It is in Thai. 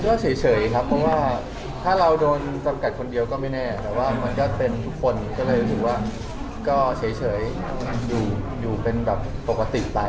เพราะเฉยครับว่าเราโดนจำกัดคนเดียวก็ไม่แน่แต่ว่ามันก็เป็นทุกคนก็เลยรู้ว่าก็อยู่กันเป็นตัวปกติไป